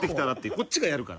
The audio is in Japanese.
こっちがやるから。